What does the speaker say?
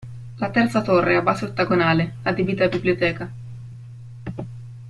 La terza torre, a base ottagonale, adibita a biblioteca.